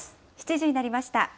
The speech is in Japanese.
７時になりました。